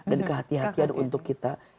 dan kehatian untuk kita